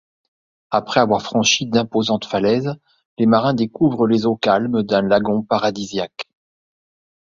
Après avoir franchi d'imposantes falaises, les marins découvrent les eaux calmes d'un lagon paradisiaque.